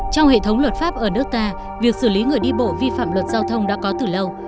trong hệ thống luật pháp ở nước ta việc xử lý người đi bộ vi phạm luật giao thông đã có từ lâu